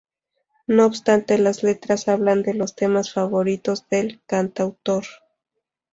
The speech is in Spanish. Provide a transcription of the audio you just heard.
No obstante las letras hablan de los temas favoritos del cantautor.